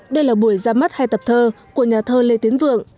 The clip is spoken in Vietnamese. đây là buổi ra mắt hai tập thơ của nhà thơ lê tiến vượng